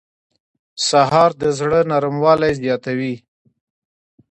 سهار د زړه نرموالی زیاتوي.